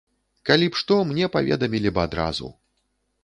Калі б што, мне паведамілі б адразу.